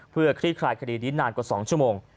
เพื่อคลี่คลายคดีนี้นานกว่า๒ชั่วโมง